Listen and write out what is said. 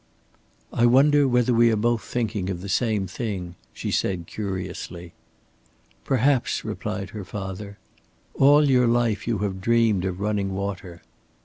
"I wonder whether we are both thinking of the same thing," she said, curiously. "Perhaps," replied her father. "All your life you have dreamed of running water."